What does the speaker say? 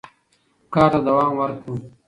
کار ته دوام ورکړو.